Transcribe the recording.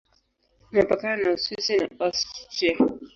Imepakana na Uswisi na Austria.